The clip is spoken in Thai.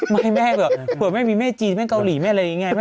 ไม่แม่แบบเผื่อไม่มีแม่จีนแม่เกาหลีแม่อะไรอย่างนี้ไง